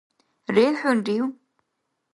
РелхӀунрив!